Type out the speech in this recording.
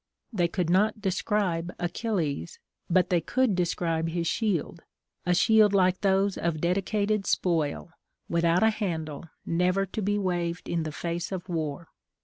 They could not describe Achilles, but they could describe his shield; a shield like those of dedicated spoil, without a handle, never to be waved in the face of war.